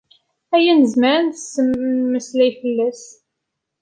Aya nezmer ad nemmeslay fell-as.